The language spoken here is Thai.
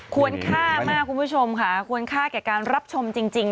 ควรค่ามากคุณผู้ชมค่ะควรค่าแก่การรับชมจริง